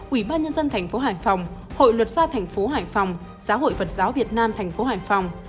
ủy ban nhân dân tp hải phòng hội luật gia tp hải phòng giáo hội phật giáo việt nam tp hải phòng